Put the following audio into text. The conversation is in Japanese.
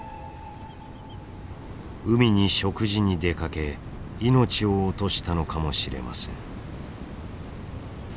海に食事に出かけ命を落としたのかもしれません。